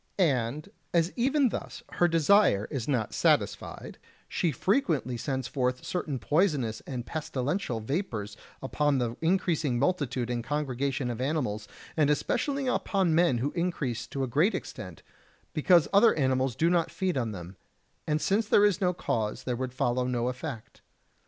And as even thus her desire is not satisfied, she frequently sends forth certain poisonous and pestilential vapours upon the increasing multitude and congregation of animals, and especially upon men who increase to a great extent, because other animals do not feed on them; and since there is no cause, there would follow no effect.